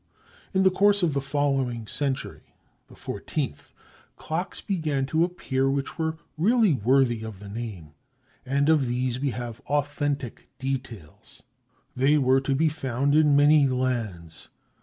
In the course of the following century—the fourteenth—clocks began to appear which were really worthy of the name, and of these we have authentic details. They were to be found in many lands.